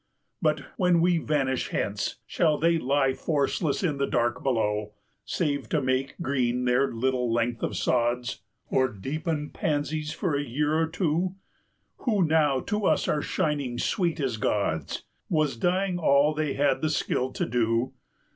But, when we vanish hence, Shall they lie forceless in the dark below, Save to make green their little length of sods, Or deepen pansies for a year or two, 295 Who now to us are shining sweet as gods? Was dying all they had the skill to do?